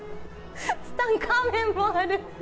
ツタンカーメンもある。